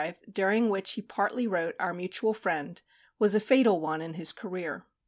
The year 1865, during which he partly wrote "Our Mutual Friend," was a fatal one in his career.